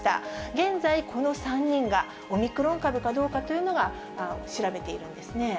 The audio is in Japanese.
現在、この３人がオミクロン株かどうかというのが、調べているんですね。